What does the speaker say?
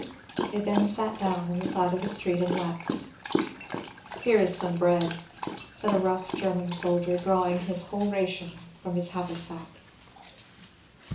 They then sat down on the side of the street and wept. ^^ Here is some bread," said a rough German soldier, drawing his whole ration from his haversack.